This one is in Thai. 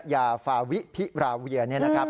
ยาฟาวิพีราเวีย